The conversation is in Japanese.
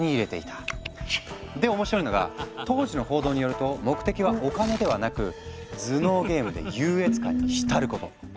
で面白いのが当時の報道によると目的はお金ではなく「頭脳ゲームで優越感に浸ること」。